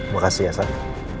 makasih ya sayang